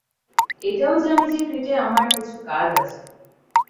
এটাও জানি যে ক্রিটে আমার কিছু কাজ আছে।